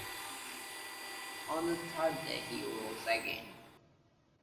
On the third day he rose again.